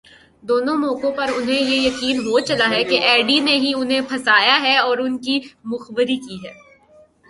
دونوں موقعوں پر انھیں یہ یقین ہو چلا کہ ایڈی نے ہی انھیں پھنسایا اور ان کی مخبری کی ہے۔